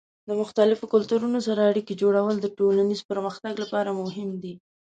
د مختلفو کلتورونو سره اړیکې جوړول د ټولنیز پرمختګ لپاره مهم دي.